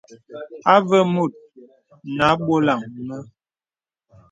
Avə mùt nə à bɔlaŋ mə.